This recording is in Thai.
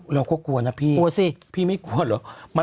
เราก็กลัวนะพี่พี่ไม่กลัวหรอ